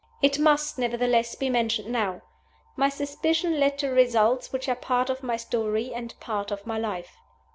It must, nevertheless, be mentioned now. My suspicion led to results which are part of my story and part of my life.